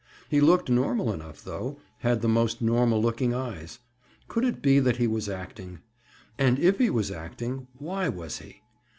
He looked normal enough, though, had the most normal looking eyes. Could it be that he was acting? And if he was acting, why was he?